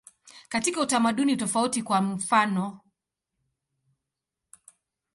Katika utamaduni tofauti, kwa mfanof.